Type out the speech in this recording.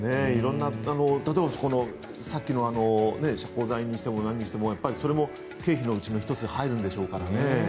例えば、さっきの遮光剤にしても何にしてもそれも経費のうちの１つに入るでしょうからね。